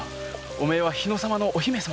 お前は日野様のお姫様なんだ。